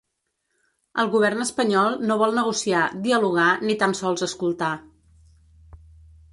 El govern espanyol no vol negociar, dialogar i ni tan sols escoltar.